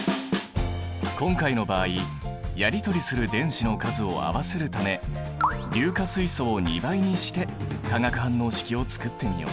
今回の場合やりとりする電子の数を合わせるため硫化水素を２倍にして化学反応式を作ってみよう。